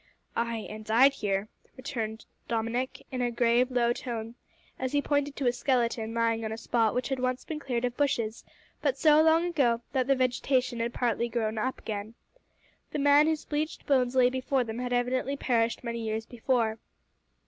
"Ay, and died here," returned Dominick, in a grave, low tone, as he pointed to a skeleton lying on a spot which had once been cleared of bushes, but so long ago that the vegetation had partially grown up again. The man whose bleached bones lay before them had evidently perished many years before.